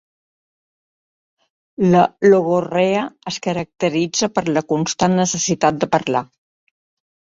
La logorrea es caracteritza per la constant necessitat de parlar.